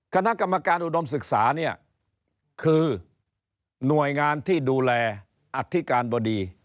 คณะกรรมการอุดมศึกษาเนี่ยคือหน่วยงานที่ดูแลอธิการบดี